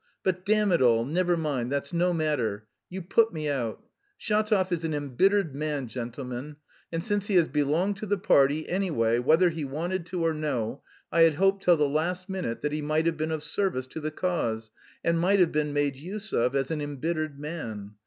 But, damn it all, never mind, that's no matter! You put me out!... Shatov is an embittered man, gentlemen, and since he has belonged to the party, anyway, whether he wanted to or no, I had hoped till the last minute that he might have been of service to the cause and might have been made use of as an embittered man.